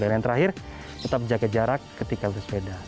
dan yang terakhir tetap jaga jarak ketika bersepeda